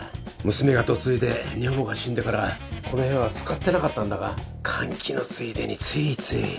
娘が嫁いで女房が死んでからこの部屋は使ってなかったんだが換気のついでについつい。